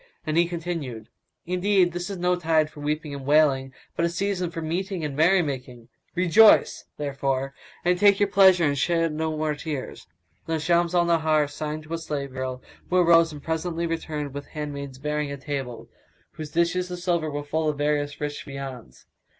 And he continued, "Indeed, this is no tide for weeping and wailing, but a season for meeting and merry making; rejoice, therefore, and take your pleasure and shed no more tears!" Then Shams al Nahar signed to a slave girl, who arose and presently returned with handmaids bearing a table, whose dishes of silver were full of various rich viands.